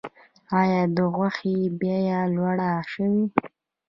آیا د غوښې بیه لوړه شوې؟